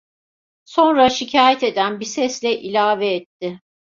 Sonra, şikâyet eden bir sesle ilave etti.